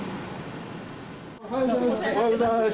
おはようございます。